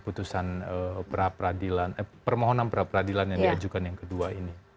putusan praperadilan permohonan praperadilan yang diajukan yang kedua ini